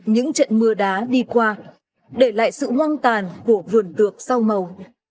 những trận mưa đá đi qua để lại sự hoang tàn của vườn tược sau màu